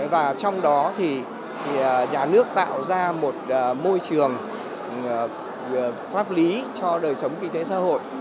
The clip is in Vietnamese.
và trong đó thì nhà nước tạo ra một môi trường pháp lý cho đời sống kinh tế xã hội